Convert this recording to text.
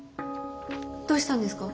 どうしたんですか？